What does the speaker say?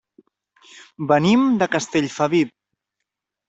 Venim de Castellfabib.